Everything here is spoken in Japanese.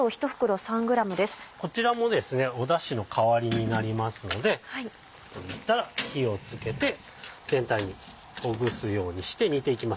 こちらもですねだしの代わりになりますので入れたら火をつけて全体にほぐすようにして煮ていきます。